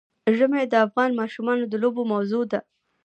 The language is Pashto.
ژمی د افغان ماشومانو د لوبو موضوع ده.